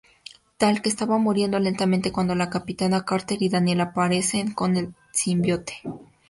Teal'c estaba muriendo lentamente cuando la capitana Carter y Daniel aparecen con el simbionte.